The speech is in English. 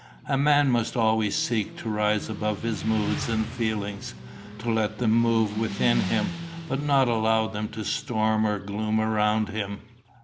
A man must always seek to rise above his moods and feelings, to let them move within him, but not allow them to storm or gloom around him.